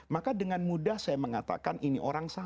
maka dengan mudah saya mengatakan ini orang salah